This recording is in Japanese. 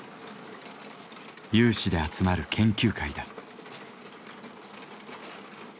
有志で集まる「研究会」だ。